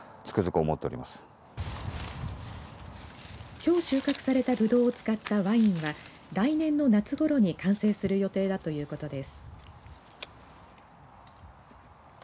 きょう収穫されたブドウを使ったワインは来年の夏頃に完成する予定だということです。